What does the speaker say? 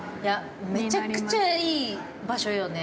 ◆めちゃくちゃいい場所よね。